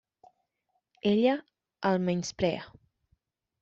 Ella el menysprea.